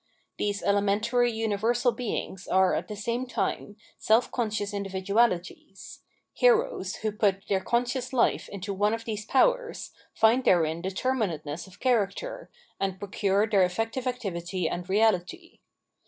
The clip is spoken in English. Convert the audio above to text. These elementary universal beings are, at the same time, self conscious individu 747 The Sfiritual WorTc of Art alities — heroes who put their conscious hfe into one of these powers, jSnd therein determinateness of cha racter, and procure their effective activity and reahty.